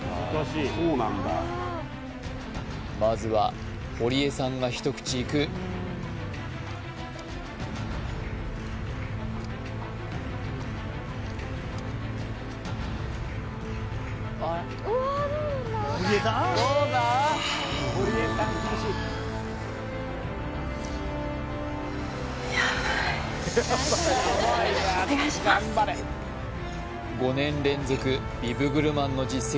まずは堀江さんが一口いく５年連続ビブグルマンの実績